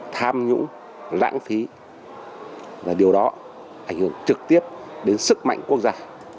tham nhũng lãng phí là điều đó ảnh hưởng trực tiếp đến sức mạnh quốc gia